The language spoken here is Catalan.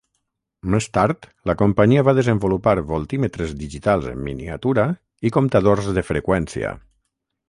Més tard, la companyia va desenvolupar voltímetres digitals en miniatura i comptadors de freqüència.